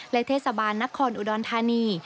และเทศบาลนครอุดรธานี